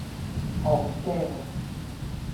我好驚呀